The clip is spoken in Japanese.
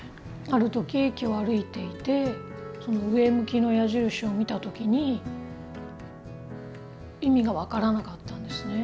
ある時駅を歩いていて上向きの矢印を見た時に意味が分からなかったんですね。